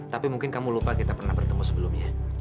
tapi mungkin kamu lupa kita pernah bertemu sebelumnya